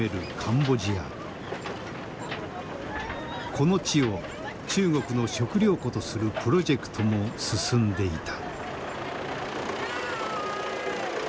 この地を中国の食料庫とするプロジェクトも進んでいた。